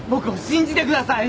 信じてください。